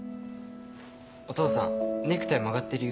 お父さんネクタイ曲がってるよ。